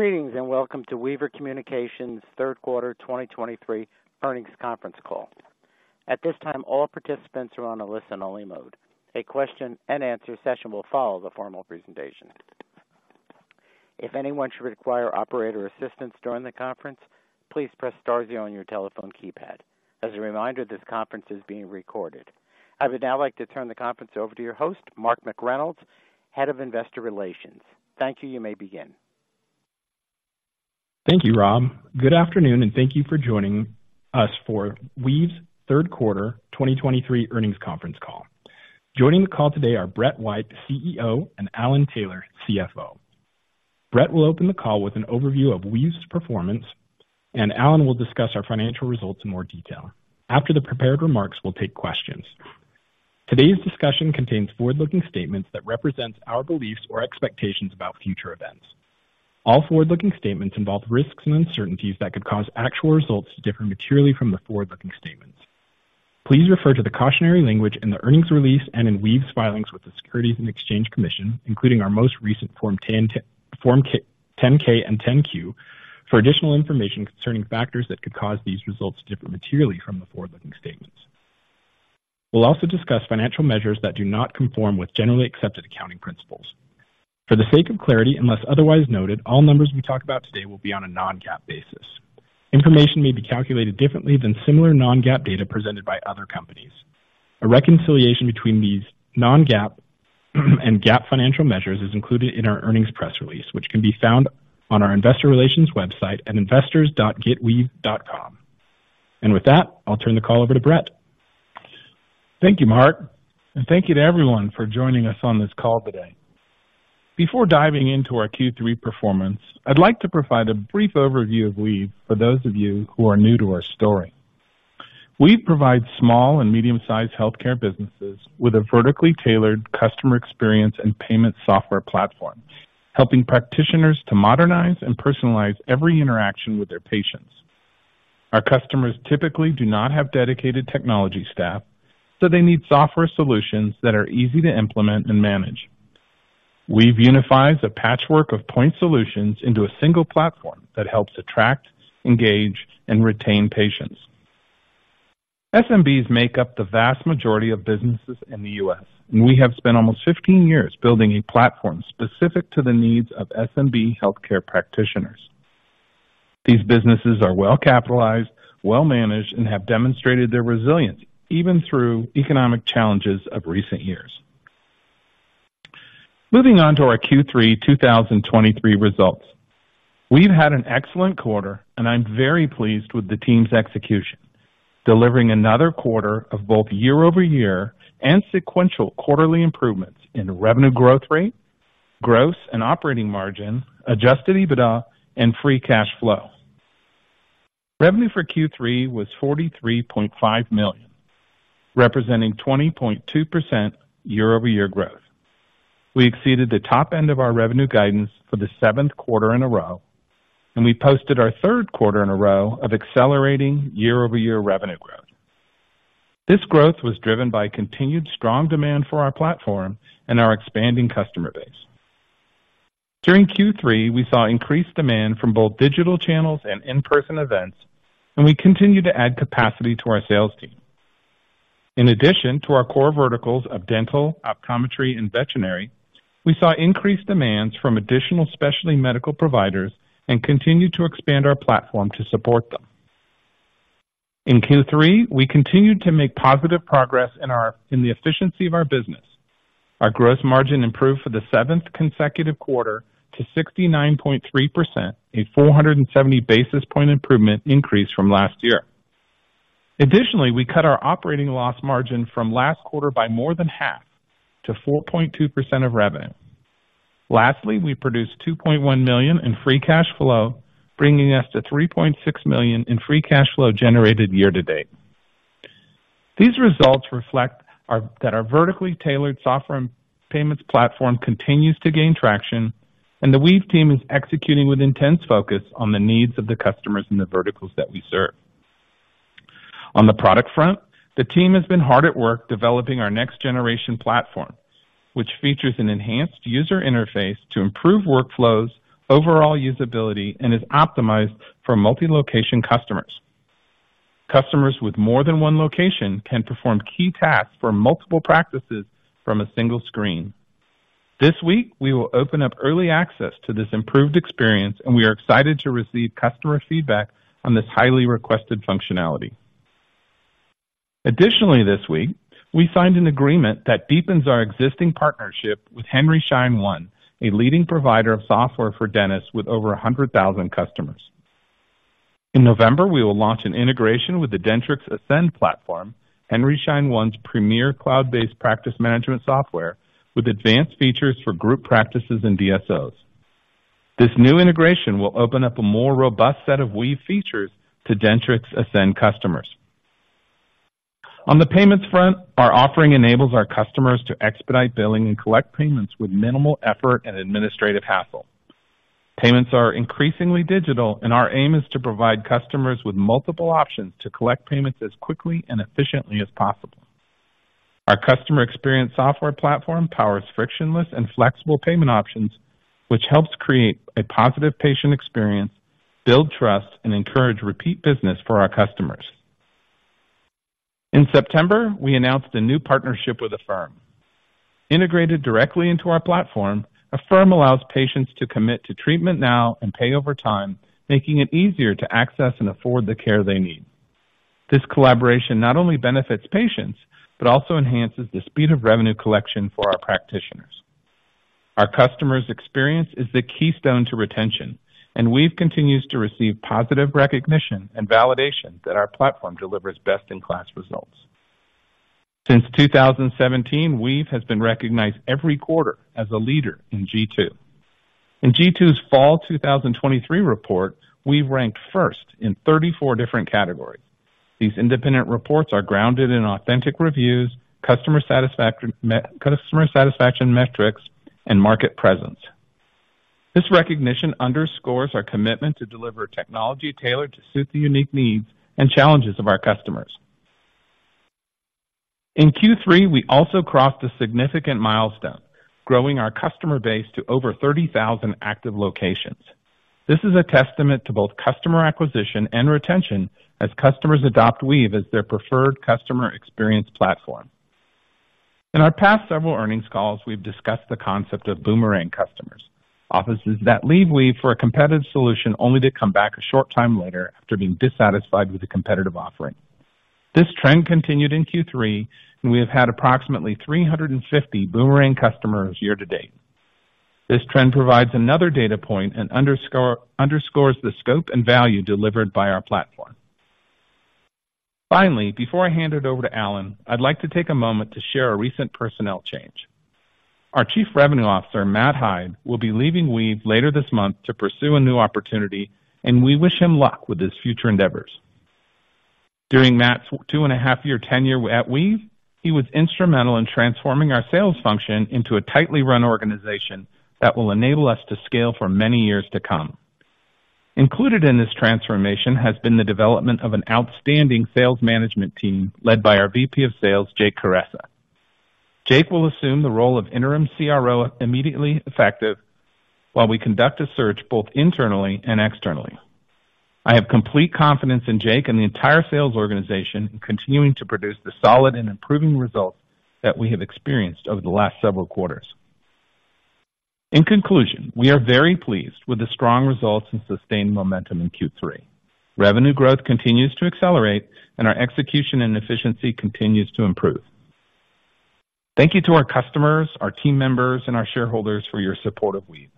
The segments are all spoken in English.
Greetings, and welcome to Weave Communications Third Quarter 2023 Earnings Conference Call. At this time, all participants are on a listen-only mode. A question-and-answer session will follow the formal presentation. If anyone should require operator assistance during the conference, please press star zero on your telephone keypad. As a reminder, this conference is being recorded. I would now like to turn the conference over to your host, Mark McReynolds, Head of Investor Relations. Thank you. You may begin. Thank you, Rob. Good afternoon, and thank you for joining us for Weave's third quarter 2023 earnings conference call. Joining the call today are Brett White, CEO, and Alan Taylor, CFO. Brett will open the call with an overview of Weave's performance, and Alan will discuss our financial results in more detail. After the prepared remarks, we'll take questions. Today's discussion contains forward-looking statements that represent our beliefs or expectations about future events. All forward-looking statements involve risks and uncertainties that could cause actual results to differ materially from the forward-looking statements. Please refer to the cautionary language in the earnings release and in Weave's filings with the Securities and Exchange Commission, including our most recent Form 10-K and 10-Q, for additional information concerning factors that could cause these results to differ materially from the forward-looking statements. We'll also discuss financial measures that do not conform with generally accepted accounting principles. For the sake of clarity, unless otherwise noted, all numbers we talk about today will be on a non-GAAP basis. Information may be calculated differently than similar non-GAAP data presented by other companies. A reconciliation between these non-GAAP and GAAP financial measures is included in our earnings press release, which can be found on our investor relations website at investors.getweave.com. With that, I'll turn the call over to Brett. Thank you, Mark, and thank you to everyone for joining us on this call today. Before diving into our Q3 performance, I'd like to provide a brief overview of Weave for those of you who are new to our story. Weave provides small and medium-sized healthcare businesses with a vertically tailored customer experience and payment software platform, helping practitioners to modernize and personalize every interaction with their patients. Our customers typically do not have dedicated technology staff, so they need software solutions that are easy to implement and manage. Weave unifies a patchwork of point solutions into a single platform that helps attract, engage, and retain patients. SMBs make up the vast majority of businesses in the U.S., and we have spent almost 15 years building a platform specific to the needs of SMB healthcare practitioners. These businesses are well-capitalized, well-managed, and have demonstrated their resilience even through economic challenges of recent years. Moving on to our Q3 2023 results. We've had an excellent quarter, and I'm very pleased with the team's execution, delivering another quarter of both year-over-year and sequential quarterly improvements in revenue growth rate, gross and operating margin, Adjusted EBITDA, and Free Cash Flow. Revenue for Q3 was $43.5 million, representing 20.2% year-over-year growth. We exceeded the top end of our revenue guidance for the seventh quarter in a row, and we posted our third quarter in a row of accelerating year-over-year revenue growth. This growth was driven by continued strong demand for our platform and our expanding customer base. During Q3, we saw increased demand from both digital channels and in-person events, and we continued to add capacity to our sales team. In addition to our core verticals of dental, optometry, and veterinary, we saw increased demands from additional specialty medical providers and continued to expand our platform to support them. In Q3, we continued to make positive progress in the efficiency of our business. Our gross margin improved for the seventh consecutive quarter to 69.3%, a 470 basis point improvement increase from last year. Additionally, we cut our operating loss margin from last quarter by more than half to 4.2% of revenue. Lastly, we produced $2.1 million in free cash flow, bringing us to $3.6 million in free cash flow generated year to date. These results reflect that our vertically tailored software and payments platform continues to gain traction, and the Weave team is executing with intense focus on the needs of the customers in the verticals that we serve. On the product front, the team has been hard at work developing our next-generation platform, which features an enhanced user interface to improve workflows, overall usability, and is optimized for multi-location customers. Customers with more than one location can perform key tasks for multiple practices from a single screen. This week, we will open up early access to this improved experience, and we are excited to receive customer feedback on this highly requested functionality. Additionally, this week, we signed an agreement that deepens our existing partnership with Henry Schein One, a leading provider of software for dentists with over 100,000 customers. In November, we will launch an integration with the Dentrix Ascend platform, Henry Schein One's premier cloud-based practice management software with advanced features for group practices and DSOs. This new integration will open up a more robust set of Weave features to Dentrix Ascend customers. On the payments front, our offering enables our customers to expedite billing and collect payments with minimal effort and administrative hassle. Payments are increasingly digital, and our aim is to provide customers with multiple options to collect payments as quickly and efficiently as possible....Our customer experience software platform powers frictionless and flexible payment options, which helps create a positive patient experience, build trust, and encourage repeat business for our customers. In September, we announced a new partnership with Affirm. Integrated directly into our platform, Affirm allows patients to commit to treatment now and pay over time, making it easier to access and afford the care they need. This collaboration not only benefits patients, but also enhances the speed of revenue collection for our practitioners. Our customers' experience is the keystone to retention, and Weave continues to receive positive recognition and validation that our platform delivers best-in-class results. Since 2017, Weave has been recognized every quarter as a leader in G2. In G2's Fall 2023 report, Weave ranked first in 34 different categories. These independent reports are grounded in authentic reviews, customer satisfaction metrics, and market presence. This recognition underscores our commitment to deliver technology tailored to suit the unique needs and challenges of our customers. In Q3, we also crossed a significant milestone, growing our customer base to over 30,000 active locations. This is a testament to both customer acquisition and retention as customers adopt Weave as their preferred customer experience platform. In our past several earnings calls, we've discussed the concept of boomerang customers, offices that leave Weave for a competitive solution only to come back a short time later after being dissatisfied with the competitive offering. This trend continued in Q3, and we have had approximately 350 boomerang customers year-to-date. This trend provides another data point and underscores the scope and value delivered by our platform. Finally, before I hand it over to Alan, I'd like to take a moment to share a recent personnel change. Our Chief Revenue Officer, Matt Hyde, will be leaving Weave later this month to pursue a new opportunity, and we wish him luck with his future endeavors. During Matt's 2.5-year tenure at Weave, he was instrumental in transforming our sales function into a tightly run organization that will enable us to scale for many years to come. Included in this transformation has been the development of an outstanding sales management team, led by our VP of Sales, Jake Kuresa. Jake will assume the role of interim CRO, immediately effective, while we conduct a search both internally and externally. I have complete confidence in Jake and the entire sales organization in continuing to produce the solid and improving results that we have experienced over the last several quarters. In conclusion, we are very pleased with the strong results and sustained momentum in Q3. Revenue growth continues to accelerate, and our execution and efficiency continues to improve. Thank you to our customers, our team members, and our shareholders for your support of Weave.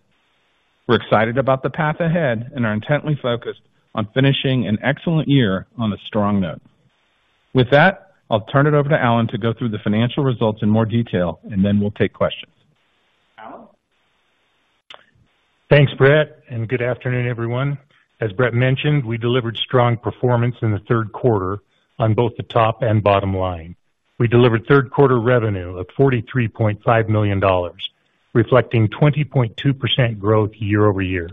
We're excited about the path ahead and are intently focused on finishing an excellent year on a strong note. With that, I'll turn it over to Alan to go through the financial results in more detail, and then we'll take questions. Alan? Thanks, Brett, and good afternoon, everyone. As Brett mentioned, we delivered strong performance in the third quarter on both the top and bottom line. We delivered third quarter revenue of $43.5 million, reflecting 20.2% growth year-over-year.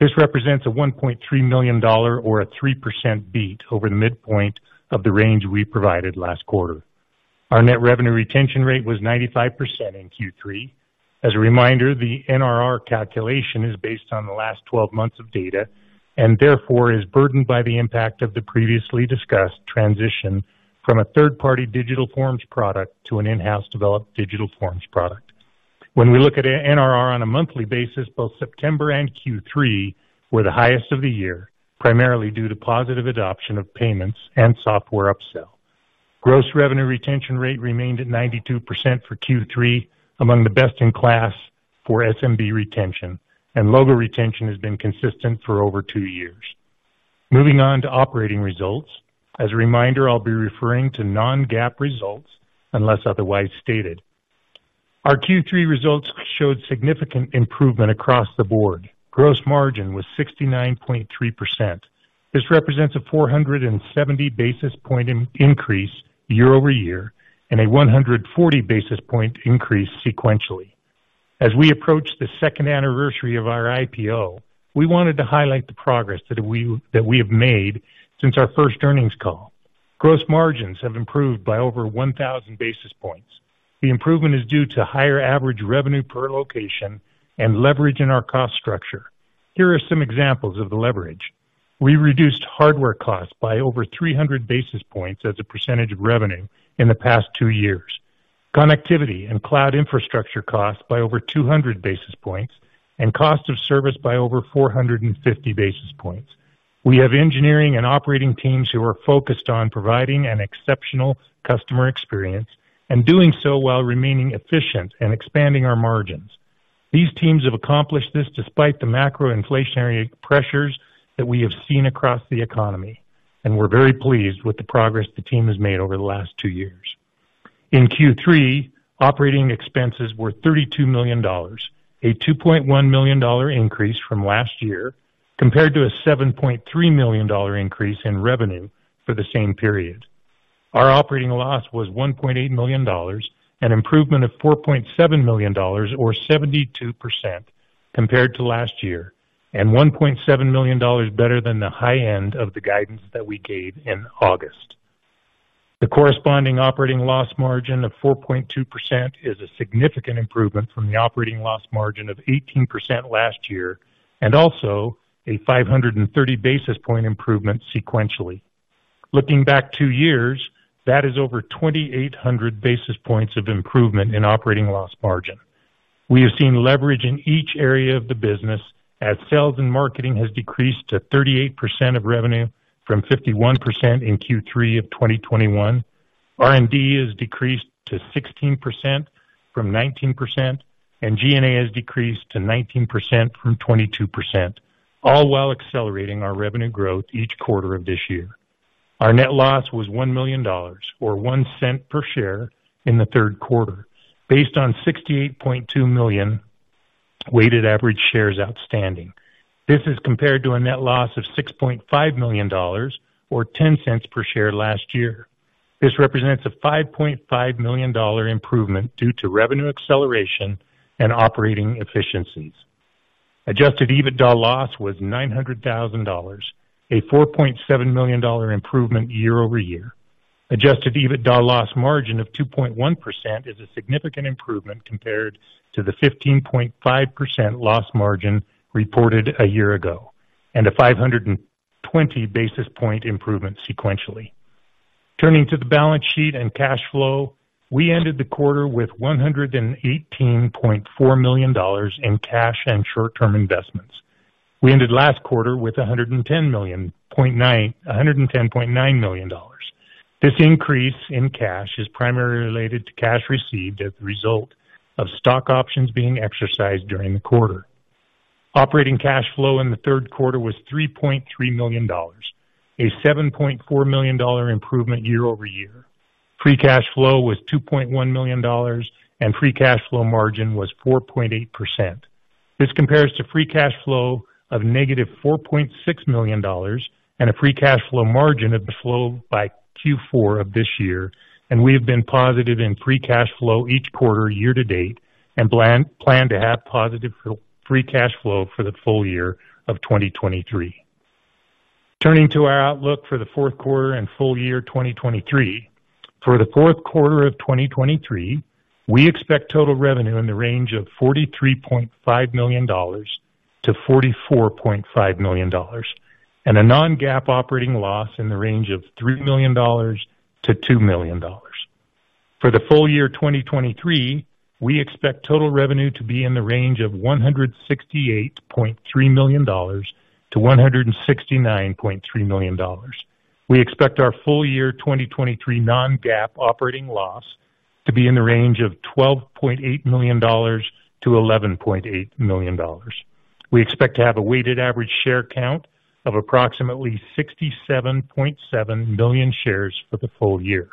This represents a $1.3 million or a 3% beat over the midpoint of the range we provided last quarter. Our net revenue retention rate was 95% in Q3. As a reminder, the NRR calculation is based on the last 12 months of data and therefore is burdened by the impact of the previously discussed transition from a third-party digital forms product to an in-house developed digital forms product. When we look at NRR on a monthly basis, both September and Q3 were the highest of the year, primarily due to positive adoption of payments and software upsell. Gross revenue retention rate remained at 92% for Q3, among the best-in-class for SMB retention, and logo retention has been consistent for over two years. Moving on to operating results. As a reminder, I'll be referring to non-GAAP results unless otherwise stated. Our Q3 results showed significant improvement across the board. Gross margin was 69.3%. This represents a 470 basis point increase year-over-year and a 140 basis point increase sequentially. As we approach the second anniversary of our IPO, we wanted to highlight the progress that we have made since our first earnings call. Gross margins have improved by over 1,000 basis points. The improvement is due to higher average revenue per location and leverage in our cost structure. Here are some examples of the leverage. We reduced hardware costs by over 300 basis points as a percentage of revenue in the past two years, connectivity and cloud infrastructure costs by over 200 basis points, and cost of service by over 450 basis points. We have engineering and operating teams who are focused on providing an exceptional customer experience and doing so while remaining efficient and expanding our margins. These teams have accomplished this despite the macro inflationary pressures that we have seen across the economy, and we're very pleased with the progress the team has made over the last two years. In Q3, operating expenses were $32 million, a $2.1 million increase from last year, compared to a $7.3 million increase in revenue for the same period. Our operating loss was $1.8 million, an improvement of $4.7 million or 72% compared to last year, and $1.7 million better than the high end of the guidance that we gave in August. The corresponding operating loss margin of 4.2% is a significant improvement from the operating loss margin of 18% last year, and also a 530 basis point improvement sequentially. Looking back two years, that is over 2,800 basis points of improvement in operating loss margin. We have seen leverage in each area of the business, as sales and marketing has decreased to 38% of revenue from 51% in Q3 of 2021. R&D has decreased to 16% from 19%, and G&A has decreased to 19% from 22%, all while accelerating our revenue growth each quarter of this year. Our net loss was $1 million, or $0.01 per share in the third quarter, based on 68.2 million weighted average shares outstanding. This is compared to a net loss of $6.5 million or $0.10 per share last year. This represents a $5.5 million improvement due to revenue acceleration and operating efficiencies. Adjusted EBITDA loss was $900,000, a $4.7 million improvement year-over-year. Adjusted EBITDA loss margin of 2.1% is a significant improvement compared to the 15.5% loss margin reported a year ago, and a 520 basis point improvement sequentially. Turning to the balance sheet and cash flow, we ended the quarter with $118.4 million in cash and short-term investments. We ended last quarter with $110.9 million. This increase in cash is primarily related to cash received as a result of stock options being exercised during the quarter. Operating cash flow in the third quarter was $3.3 million, a $7.4 million improvement year-over-year. Free cash flow was $2.1 million, and free cash flow margin was 4.8%. This compares to free cash flow of $-4.6 million and a free cash flow margin of negative flow by Q4 of this year, and we have been positive in free cash flow each quarter, year to date, and plan to have positive free cash flow for the full year of 2023. Turning to our outlook for the fourth quarter and full year, 2023. For the fourth quarter of 2023, we expect total revenue in the range of $43.5 million-$44.5 million, and a non-GAAP operating loss in the range of $3 million-$2 million. For the full year, 2023, we expect total revenue to be in the range of $168.3 million-$169.3 million. We expect our full year 2023 non-GAAP operating loss to be in the range of $12.8 million-$11.8 million. We expect to have a weighted average share count of approximately 67.7 million shares for the full year.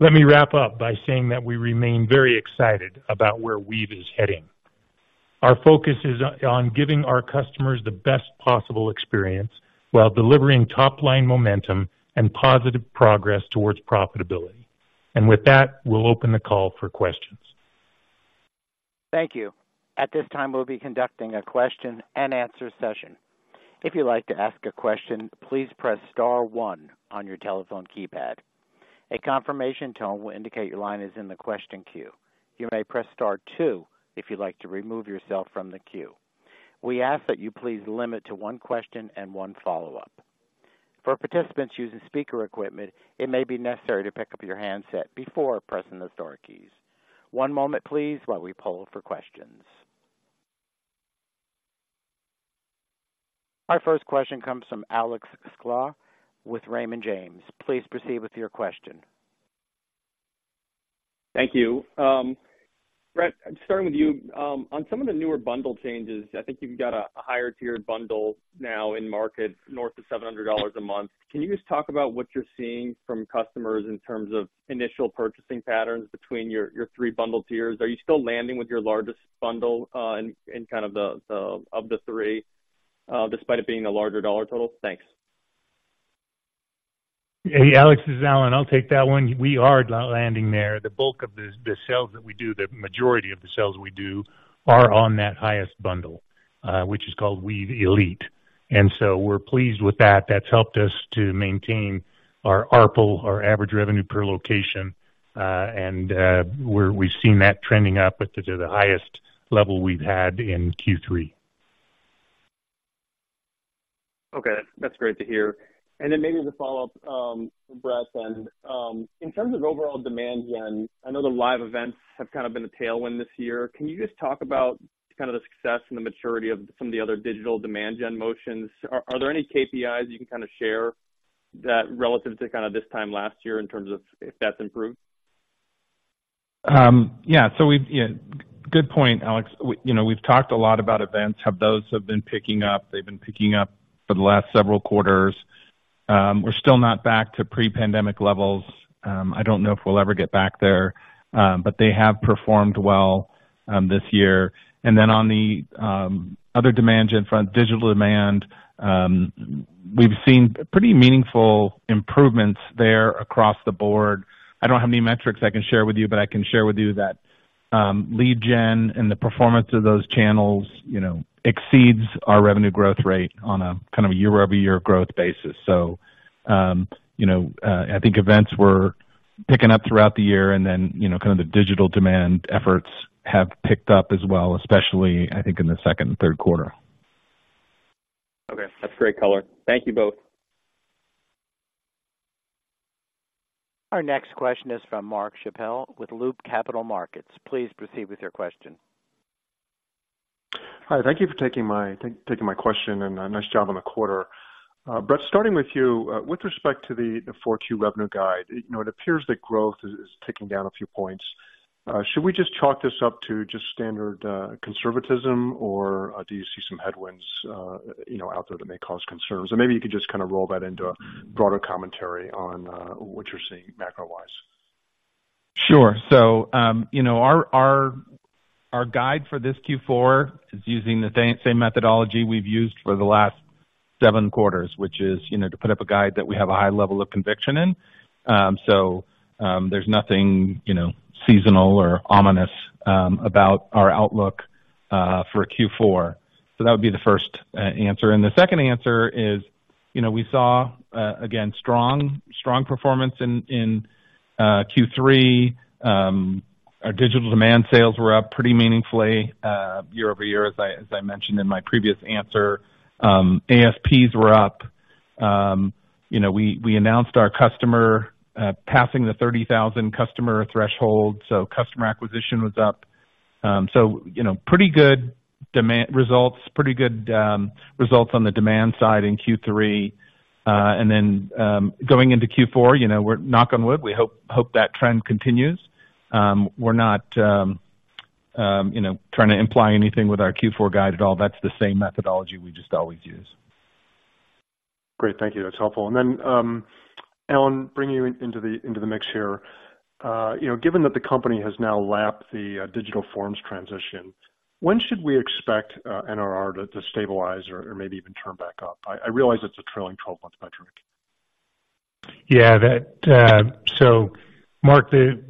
Let me wrap up by saying that we remain very excited about where Weave is heading. Our focus is on giving our customers the best possible experience while delivering top-line momentum and positive progress towards profitability. And with that, we'll open the call for questions. Thank you. At this time, we'll be conducting a question and answer session. If you'd like to ask a question, please press star one on your telephone keypad. A confirmation tone will indicate your line is in the question queue. You may press star two if you'd like to remove yourself from the queue. We ask that you please limit to one question and one follow-up. For participants using speaker equipment, it may be necessary to pick up your handset before pressing the star keys. One moment, please, while we poll for questions. Our first question comes from Alex Sklar with Raymond James. Please proceed with your question. Thank you. Brett, I'm starting with you. On some of the newer bundle changes, I think you've got a higher tiered bundle now in market, north of $700 a month. Can you just talk about what you're seeing from customers in terms of initial purchasing patterns between your three bundle tiers? Are you still landing with your largest bundle in kind of the top of the three despite it being a larger dollar total? Thanks. Hey, Alex, this is Alan. I'll take that one. We are landing there. The bulk of the sales that we do, the majority of the sales we do, are on that highest bundle, which is called Weave Elite, and so we're pleased with that. That's helped us to maintain our ARPL, our average revenue per location, and we've seen that trending up to the highest level we've had in Q3. Okay, that's great to hear. And then maybe the follow-up, Brett, and, in terms of overall demand gen, I know the live events have kind of been a tailwind this year. Can you just talk about kind of the success and the maturity of some of the other digital demand gen motions? Are there any KPIs you can kind of share that relative to kind of this time last year in terms of if that's improved? Yeah, so we've... Yeah, good point, Alex. We, you know, we've talked a lot about events, how those have been picking up. They've been picking up for the last several quarters. We're still not back to pre-pandemic levels. I don't know if we'll ever get back there, but they have performed well, this year. And then on the other demand gen front, digital demand, we've seen pretty meaningful improvements there across the board. I don't have any metrics I can share with you, but I can share with you that lead gen and the performance of those channels, you know, exceeds our revenue growth rate on a kind of a year-over-year growth basis. So, you know, I think events were picking up throughout the year, and then, you know, kind of the digital demand efforts have picked up as well, especially, I think, in the second and third quarter. Okay. That's great color. Thank you both. Our next question is from Mark Schappel with Loop Capital Markets. Please proceed with your question. Hi, thank you for taking my, taking my question, and nice job on the quarter. Brett, starting with you. With respect to the 4Q revenue guide, you know, it appears that growth is ticking down a few points. Should we just chalk this up to just standard conservatism, or do you see some headwinds, you know, out there that may cause concerns? And maybe you could just kind of roll that into a broader commentary on what you're seeing macro-wise. Sure. So, you know, our guide for this Q4 is using the same methodology we've used for the last seven quarters, which is, you know, to put up a guide that we have a high level of conviction in. So, there's nothing, you know, seasonal or ominous about our outlook for Q4. So that would be the first answer. The second answer is, you know, we saw again strong performance in Q3. Our digital demand sales were up pretty meaningfully year-over-year, as I mentioned in my previous answer. ASPs were up. You know, we announced our customer passing the 30,000 customer threshold, so customer acquisition was up. So, you know, pretty good demand results. Pretty good results on the demand side in Q3. And then, going into Q4, you know, we're, knock on wood, we hope, hope that trend continues. We're not, you know, trying to imply anything with our Q4 guide at all. That's the same methodology we just always use. Great. Thank you. That's helpful. And then, Alan, bring you into the mix here. You know, given that the company has now lapped the digital forms transition, when should we expect NRR to stabilize or maybe even turn back up? I realize it's a trailing 12-month metric. Yeah, that. So Mark, the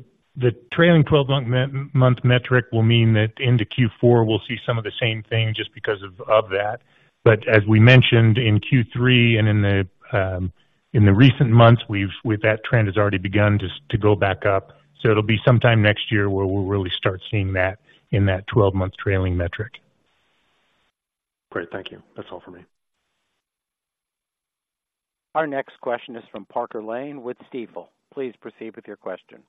trailing 12-month metric will mean that into Q4, we'll see some of the same thing just because of that. But as we mentioned in Q3 and in the recent months, with that trend has already begun to go back up. So it'll be sometime next year where we'll really start seeing that in that 12-month trailing metric. Great. Thank you. That's all for me. Our next question is from Parker Lane with Stifel. Please proceed with your question.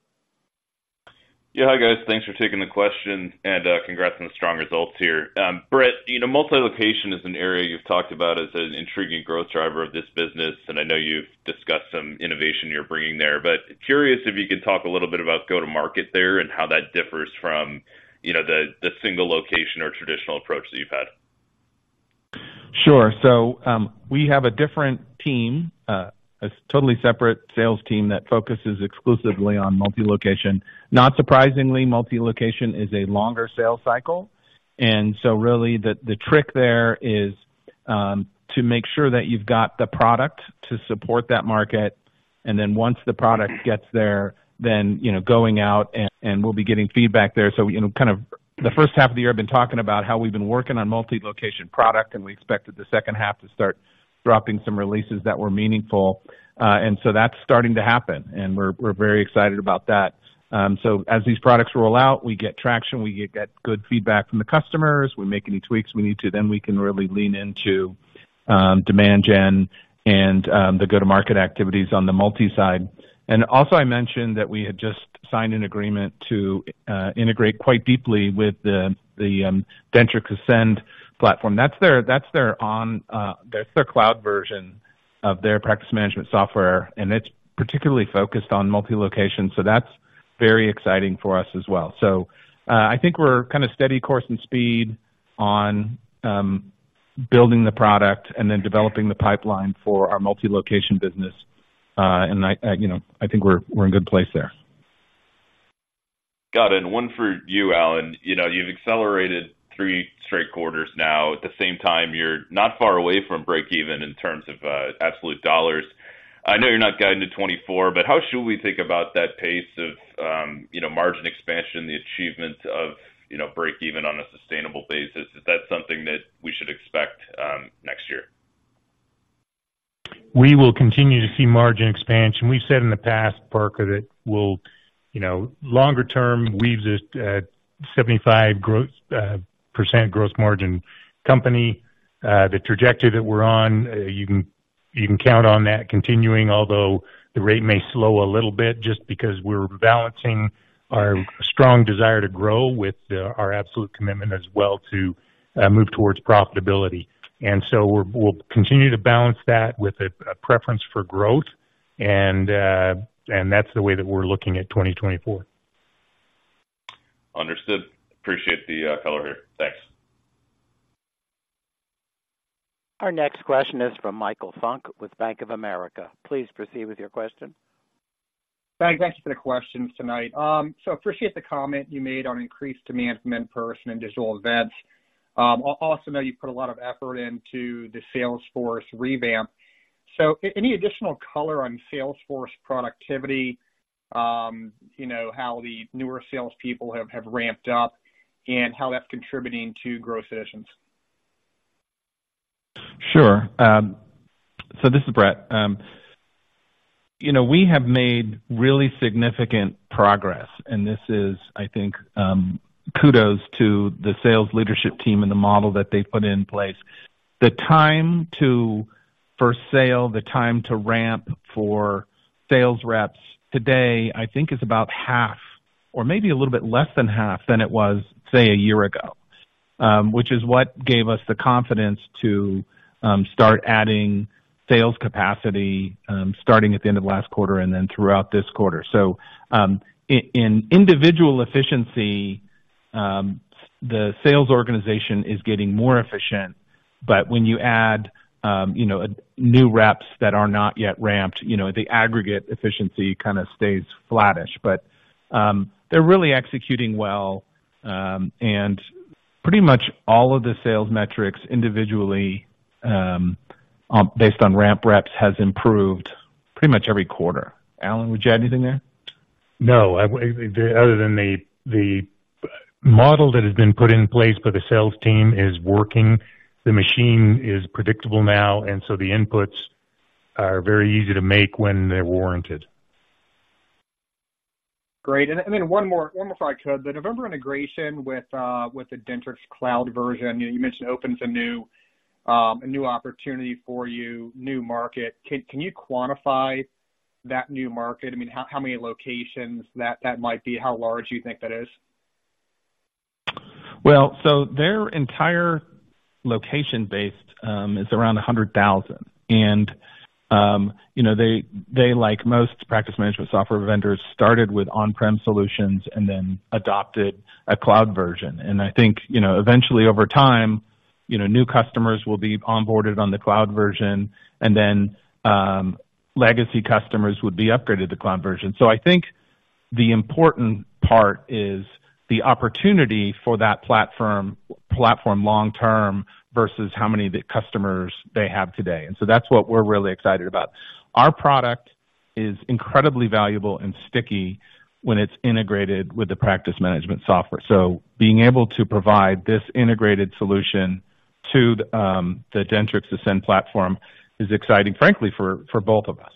Yeah. Hi, guys. Thanks for taking the question, and congrats on the strong results here. Brett, you know, multi-location is an area you've talked about as an intriguing growth driver of this business, and I know you've discussed some innovation you're bringing there, but curious if you could talk a little bit about go-to-market there and how that differs from, you know, the single location or traditional approach that you've had. Sure. So, we have a different team, a totally separate sales team that focuses exclusively on multi-location. Not surprisingly, multi-location is a longer sales cycle, and so really, the trick there is to make sure that you've got the product to support that market, and then once the product gets there, you know, going out and we'll be getting feedback there. So, you know, kind of the first half of the year, I've been talking about how we've been working on multi-location product, and we expected the second half to start dropping some releases that were meaningful. And so that's starting to happen, and we're very excited about that. So as these products roll out, we get traction, we get good feedback from the customers, we make any tweaks we need to, then we can really lean into, demand gen and, the go-to-market activities on the multi side. And also, I mentioned that we had just signed an agreement to, integrate quite deeply with the, the, Dentrix Ascend platform. That's their, that's their cloud version of their practice management software, and it's particularly focused on multi-location, so that's very exciting for us as well. So, I think we're kind of steady course and speed on, building the product and then developing the pipeline for our multi-location business. And I, I, you know, I think we're, we're in a good place there. Got it. And one for you, Alan. You know, you've accelerated three straight quarters now. At the same time, you're not far away from break even in terms of, absolute dollars. I know you're not guiding to 2024, but how should we think about that pace of, you know, margin expansion, the achievement of, you know, break even on a sustainable basis? Is that something that we should expect, next year? We will continue to see margin expansion. We've said in the past, Parker, that we'll, you know, longer term, we use it at 75% gross margin company. The trajectory that we're on, you can, you can count on that continuing, although the rate may slow a little bit just because we're balancing our strong desire to grow with our absolute commitment as well to move towards profitability. And so we'll continue to balance that with a preference for growth, and that's the way that we're looking at 2024. Understood. Appreciate the color here. Thanks. Our next question is from Michael Funk with Bank of America. Please proceed with your question. Thanks. Thanks for the questions tonight. So appreciate the comment you made on increased demand from in-person and digital events.... I also know you put a lot of effort into the sales force revamp. So any additional color on sales force productivity, you know, how the newer salespeople have ramped up and how that's contributing to growth sessions? Sure. So this is Brett. You know, we have made really significant progress, and this is, I think, kudos to the sales leadership team and the model that they put in place. The time to first sale, the time to ramp for sales reps today, I think, is about half or maybe a little bit less than half than it was, say, a year ago. Which is what gave us the confidence to start adding sales capacity, starting at the end of last quarter and then throughout this quarter. So, in individual efficiency, the sales organization is getting more efficient. But when you add, you know, new reps that are not yet ramped, you know, the aggregate efficiency kind of stays flattish. But, they're really executing well. Pretty much all of the sales metrics individually, on based on ramp reps, has improved pretty much every quarter. Alan, would you add anything there? No, other than the model that has been put in place for the sales team is working. The machine is predictable now, and so the inputs are very easy to make when they're warranted. Great. And then one more, if I could. The November integration with the Dentrix cloud version you mentioned opens a new, a new opportunity for you, new market. Can you quantify that new market? I mean, how many locations that might be? How large do you think that is? Well, so their entire location-based is around 100,000. You know, they, they, like most practice management software vendors, started with on-prem solutions and then adopted a cloud version. I think, you know, eventually, over time, you know, new customers will be onboarded on the cloud version, and then legacy customers would be upgraded to cloud version. So I think the important part is the opportunity for that platform long term versus how many customers they have today. That's what we're really excited about. Our product is incredibly valuable and sticky when it's integrated with the practice management software. Being able to provide this integrated solution to the Dentrix Ascend platform is exciting, frankly, for both of us.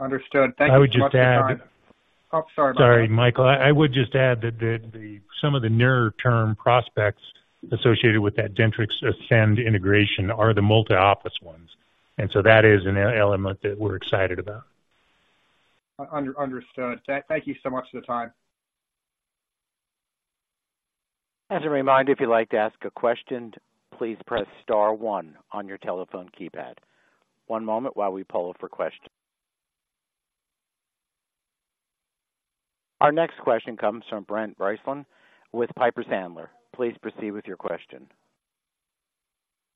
Understood. Thank you. I would just add- Oh, sorry about that. Sorry, Michael. I would just add that some of the nearer term prospects associated with that Dentrix Ascend integration are the multi-office ones, and so that is an element that we're excited about. Understood. Thank you so much for the time. As a reminder, if you'd like to ask a question, please press star one on your telephone keypad. One moment while we poll for questions. Our next question comes from Brent Bracelin with Piper Sandler. Please proceed with your question.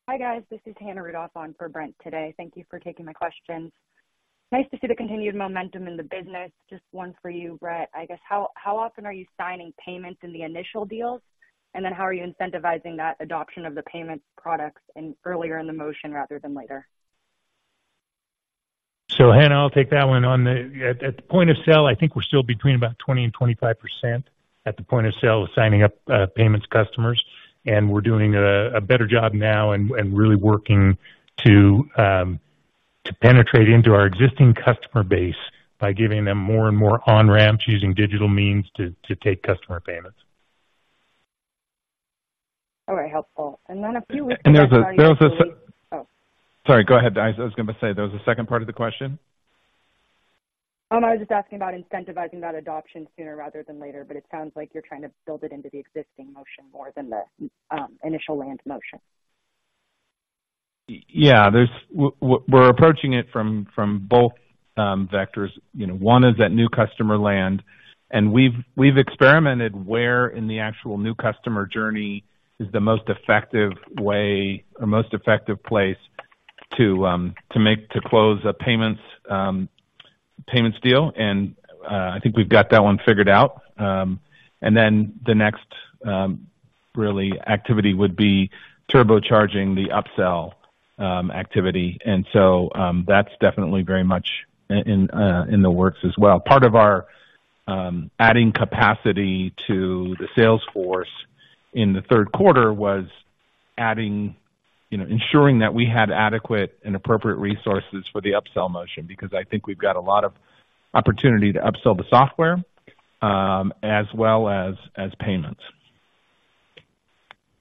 Hi, guys. This is Hannah Rudoff on for Brent today. Thank you for taking my questions. Nice to see the continued momentum in the business. Just one for you, Brett. I guess, how often are you signing payments in the initial deals? And then how are you incentivizing that adoption of the payments products in earlier in the motion rather than later? So, Hannah, I'll take that one. At the point of sale, I think we're still between about 20%-25% at the point of sale of signing up payments customers. And we're doing a better job now and really working to penetrate into our existing customer base by giving them more and more on-ramps, using digital means to take customer payments. All right. Helpful. And then a few weeks- There was a se- Oh. Sorry, go ahead. I, I was going to say, there was a second part of the question? Oh, no, I was just asking about incentivizing that adoption sooner rather than later, but it sounds like you're trying to build it into the existing motion more than the initial land motion. Yeah, we're approaching it from both vectors. You know, one is that new customer land, and we've experimented where in the actual new customer journey is the most effective way or most effective place to close a payments deal, and I think we've got that one figured out. And then the next really activity would be turbocharging the upsell activity. And so, that's definitely very much in the works as well. Part of our adding capacity to the sales force in the third quarter was adding, you know, ensuring that we had adequate and appropriate resources for the upsell motion, because I think we've got a lot of opportunity to upsell the software as well as payments.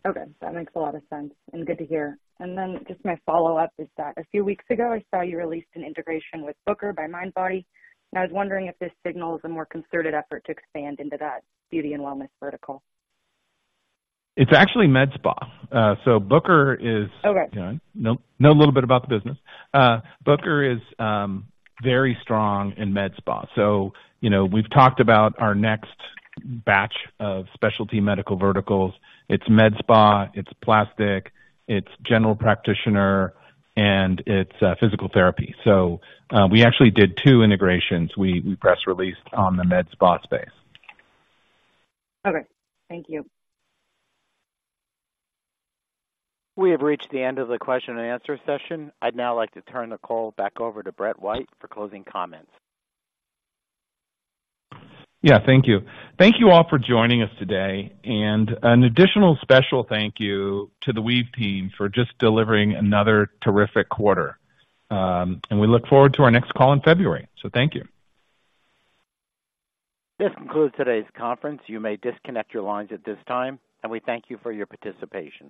Okay, that makes a lot of sense and good to hear. And then just my follow-up is that a few weeks ago, I saw you released an integration with Booker by Mindbody, and I was wondering if this signals a more concerted effort to expand into that beauty and wellness vertical. It's actually med spa. So Booker is- Okay. Yeah. Know, know a little bit about the business. Booker is very strong in med spa. So, you know, we've talked about our next batch of specialty medical verticals. It's med spa, it's plastic, it's general practitioner, and it's physical therapy. So, we actually did two integrations. We press released on the med spa space. Okay. Thank you. We have reached the end of the question and answer session. I'd now like to turn the call back over to Brett White for closing comments. Yeah, thank you. Thank you all for joining us today, and an additional special thank you to the Weave team for just delivering another terrific quarter. We look forward to our next call in February. Thank you. This concludes today's conference. You may disconnect your lines at this time, and we thank you for your participation.